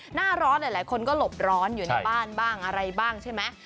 หน้าร้อนหลายคนก็หลบร้อนอยู่ในบ้านบ้างอะไรบ้างใช่ไหม